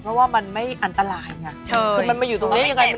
เพราะว่ามันไม่อันตรายไงคือมันมาอยู่ตรงนี้ยังไง